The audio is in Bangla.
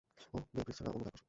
ওহ, বে ব্রিজ ছাড়া অন্য যা খুশি।